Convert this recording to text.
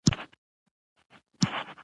د افغانستان په منظره کې کابل ښکاره ده.